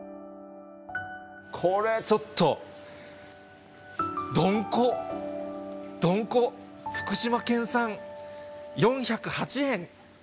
これ、ちょっと、どんこ、どんこ、福島県産、４０８円。